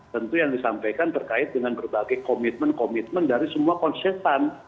tentu yang disampaikan berkait dengan berbagai komitmen komitmen dari semua konsep an